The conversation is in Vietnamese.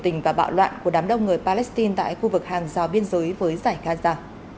biểu tình và bạo loạn của đám đông người palestine tại khu vực hàng rào biên giới với giải gaza